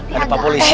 nah ada pak polisi